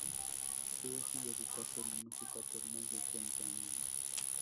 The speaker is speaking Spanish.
Estuvo sin dedicarse a la música por más de treinta años.